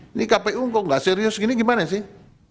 ini kpu kok nggak serius gini gimana sih